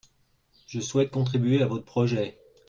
Je souhaite contribuer à votre projet.